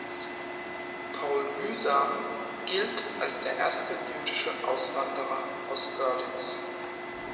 Paul Mühsam gilt als der erste jüdische Auswanderer aus Görlitz.